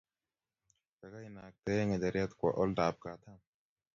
Kaikai ,naktae ngecheret kwo olda ab katam